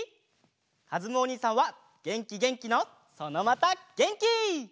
かずむおにいさんはげんきげんきのそのまたげんき！